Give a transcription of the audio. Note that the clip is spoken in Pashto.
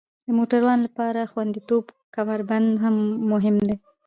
د موټروان لپاره خوندیتوب کمربند مهم دی.